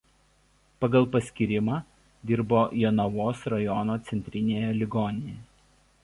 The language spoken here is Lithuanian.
Pagal paskyrimą dirbo Jonavos rajono centrinėje ligoninėje.